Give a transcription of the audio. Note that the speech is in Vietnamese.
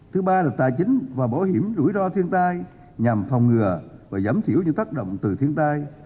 thứ ba là tài chính và bảo hiểm rủi ro thiên tai nhằm phòng ngừa và giảm thiểu những tác động từ thiên tai